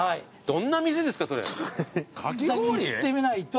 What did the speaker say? いってみないと。